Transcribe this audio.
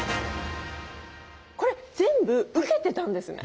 これ全部受けてたんですね。